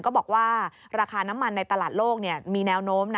ก็บอกว่าราคาน้ำมันในตลาดโลกมีแนวโน้มนะ